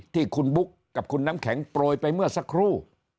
ที่คุณบุ๊คกับคุณน้ำแข็งโปรยไปเมื่อสักครู่